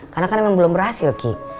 karena kan emang belum berhasil ki